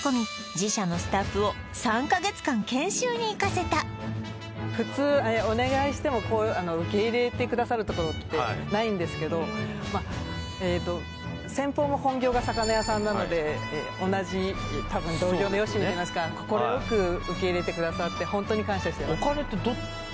自社のスタッフを３か月間研修に行かせた普通お願いしてもこうまあえと先方も本業が魚屋さんなので同じたぶん同業のよしみといいますか快く受け入れてくださってホントに感謝してます